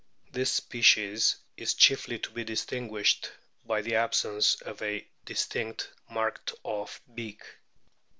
This species is chiefly to be distinguished by the absence of a distinct marked off beak.